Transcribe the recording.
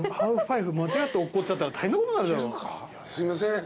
すいません